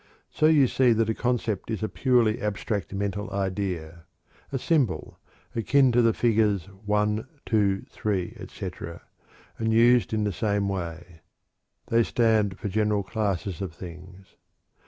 So you see that a concept is a purely abstract mental idea a symbol akin to the figures 1, 2, 3, etc., and used in the same way. They stand for general classes of things.